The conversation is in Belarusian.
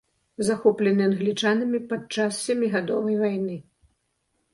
Захоплены англічанамі падчас сямігадовай вайны.